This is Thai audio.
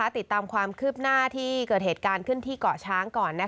ติดตามความคืบหน้าที่เกิดเหตุการณ์ขึ้นที่เกาะช้างก่อน